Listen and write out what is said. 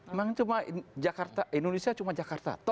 emang indonesia cuma jakarta